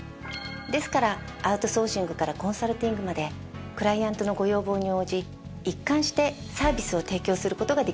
ですからアウトソーシングからコンサルティングまでクライアントのご要望に応じ一貫してサービスを提供する事ができるんです。